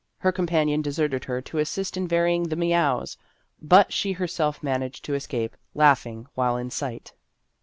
Her com panion deserted her to assist in varying the meows, but she herself managed to escape, laughing while in sight.